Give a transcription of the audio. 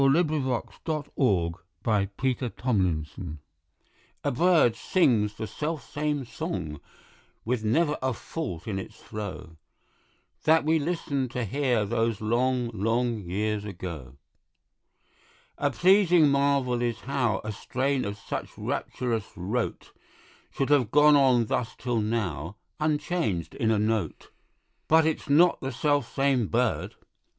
Exeter Thomas Hardy The Selfsame Song A BIRD sings the selfsame song, With never a fault in its flow, That we listened to here those long Long years ago. A pleasing marvel is how A strain of such rapturous rote Should have gone on thus till now unchanged in a note! But its not the selfsame bird.